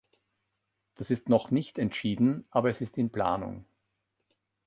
Das ist noch nicht entschieden, aber es ist in Planung.